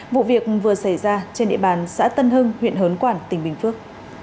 vụ việc vừa xảy ra trên địa bàn xã tân hưng huyện hớn quản tỉnh bình phước